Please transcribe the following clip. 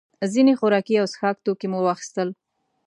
ځینې خوراکي او څښاک توکي مو واخیستل.